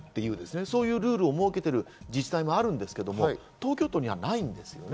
そういうルールを設けている自治体もあるんですけど東京都にはないんですね。